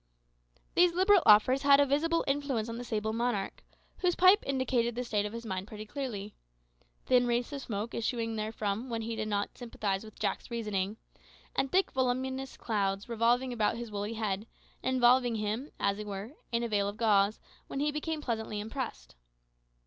These liberal offers had a visible influence on the sable monarch, whose pipe indicated the state of his mind pretty clearly thin wreaths of smoke issuing therefrom when he did not sympathise with Jack's reasoning, and thick voluminous clouds revolving about his woolly head, and involving him, as it were, in a veil of gauze, when he became pleasantly impressed.